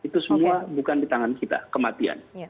itu semua bukan di tangan kita kematian